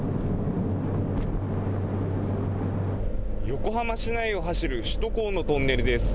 横浜市内を走る首都高のトンネルです。